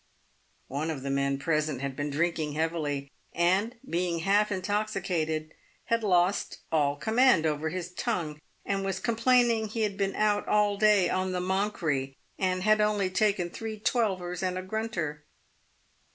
One of the men present had been drinking heavily, and, being half intoxicated, had lost all command over his tongue, and was com plaining he had been out all day on the " monkry," and had only taken three "twelvers" and a " grunter."